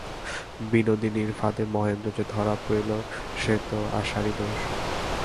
বিনোদিনীর ফাঁদে মহেন্দ্র যে ধরা পড়িল, সে তো আশারই দোষ।